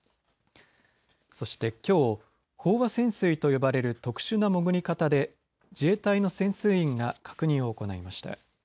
そして、きょう飽和潜水と呼ばれる特殊な潜り方で自衛隊の潜水員が確認を行いました。